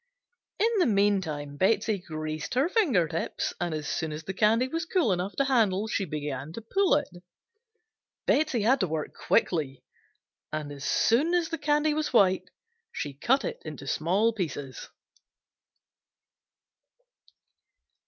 In the meantime Betsey greased her finger tips, and as soon as the candy was cool enough to handle she began to pull it. Betsey had to work quickly and as soon as the candy was white she cut it into small pieces.